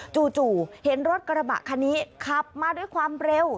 จู่เห็นรถกระบะคันนี้ขับมาด้วยความเร็ว